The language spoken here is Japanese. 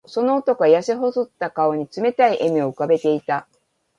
その男は、やせ細った顔に冷たい笑みを浮かべていた。